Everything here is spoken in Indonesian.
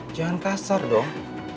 jangan kasar dong